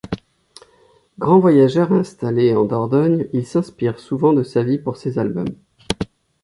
Grand voyageur installé en Dordogne, il s'inspire souvent de sa vie pour ses albums.